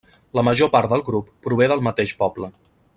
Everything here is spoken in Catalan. La major part del grup prové del mateix poble.